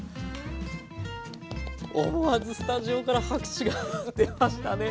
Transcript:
思わずスタジオから拍手が出ましたね！